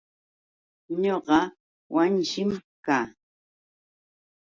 Ñuqa Wanshim kaa.